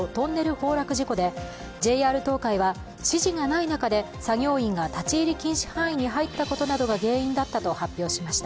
崩落事故でＪＲ東海は、指示がない中で作業員が立入禁止範囲に入ったことなどが原因だったと発表しました。